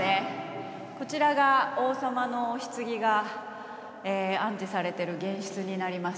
こちらが王様の棺が安置されてる玄室になります